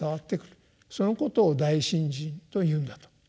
そのことを「大信心」と言うんだと。